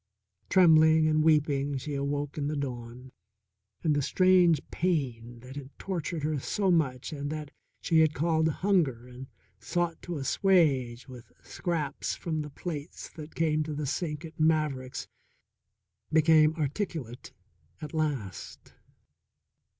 Trembling and weeping she awoke in the dawn, and the strange pain that had tortured her so much and that she had called hunger and sought to assuage with scraps from the plates that came to the sink at Maverick's became articulate at last.